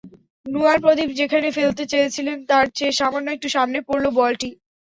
নুয়ান প্রদীপ যেখানে ফেলতে চেয়েছিলেন, তার চেয়ে সামান্য একটু সামনে পড়ল বলটি।